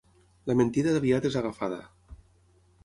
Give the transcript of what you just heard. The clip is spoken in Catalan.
La mentida aviat és agafada.